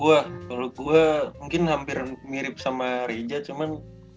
wah kalau gue mungkin hampir mirip sama rija cuman